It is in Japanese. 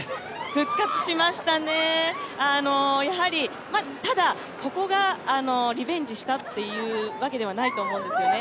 復活しましたね、やはりただここがリベンジしたっていうわけではないと思うんですよね。